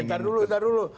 eh ntar dulu ntar dulu